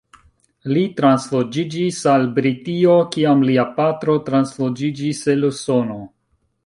Li transloĝiĝis al Britio, kiam lia patro transloĝiĝis el Usono.